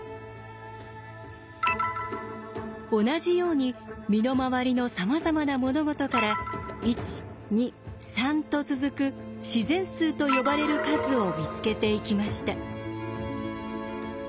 同じように身の回りのさまざまな物事から「１２３」と続く自然数と呼ばれる数を見つけていきました。